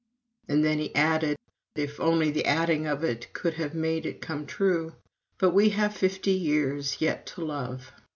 And then he added if only the adding of it could have made it come true: "But we have fifty years yet of love."